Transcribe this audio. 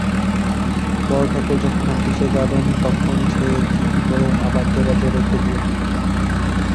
বড়োঠাকুর যখন আপিসে যাবেন তখন সে চিঠি পড়ে আবার দেরাজে রেখে দিয়ো।